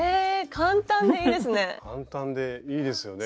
簡単でいいですよね。